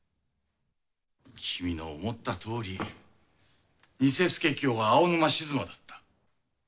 君の思ったとおり偽佐清は青沼静馬だった。